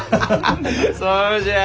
そうじゃ！